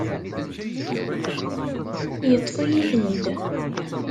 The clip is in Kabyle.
Yeṭṭef-iyi-ten-id.